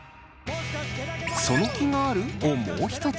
「その気がある？」をもう一つ。